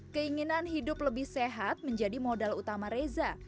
keinginan hidup lebih sehat menjadi modal utama reza